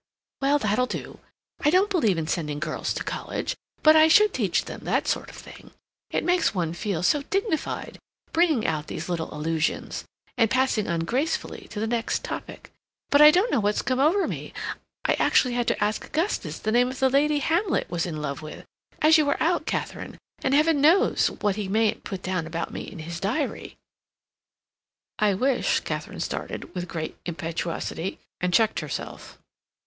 "Well, that'll do. I don't believe in sending girls to college, but I should teach them that sort of thing. It makes one feel so dignified, bringing out these little allusions, and passing on gracefully to the next topic. But I don't know what's come over me—I actually had to ask Augustus the name of the lady Hamlet was in love with, as you were out, Katharine, and Heaven knows what he mayn't put down about me in his diary." "I wish," Katharine started, with great impetuosity, and checked herself.